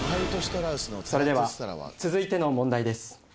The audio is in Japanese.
それでは続いての問題です。